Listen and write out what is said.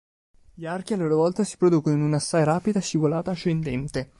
Gli archi, a loro volta, si producono in una assai rapida scivolata ascendente.